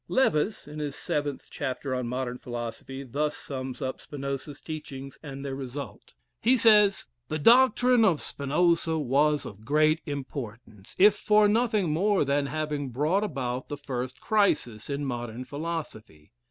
Lewes, in his seventh chapter on Modern Philosophy, thus sums up Spinoza's teachings and their result. He says: "The doctrine of Spinoza was of great importance, if for nothing more than having brought about the first crisis in modern philosophy.